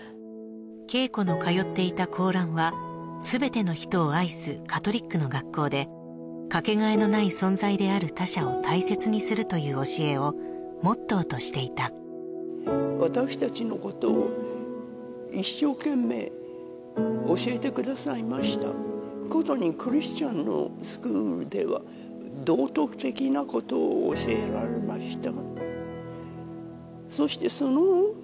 桂子の通っていた紅蘭は全ての人を愛すカトリックの学校でかけがえのない存在である他者を大切にするという教えをモットーとしていた私たちのことを一生懸命教えてくださいましたことにクリスチャンのスクールでは道徳的なことを教えられました